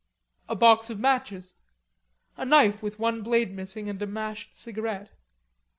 A box of matches. A knife with one blade missing, and a mashed cigarette.